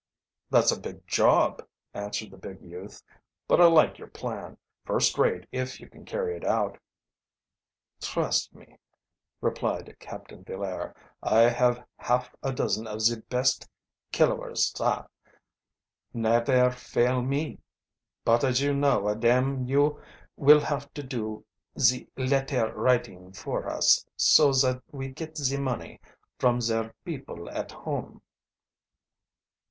"That's a big job," answered the big youth. "But I like your plan, first rate if you can carry it out." "Trust me," replied Captain Villaire. "I have half a dozen of ze best of killowers za, nevair fail me. But as you knowa dem you will have to do ze lettair writing for us, so zat we git ze money from zare people at home."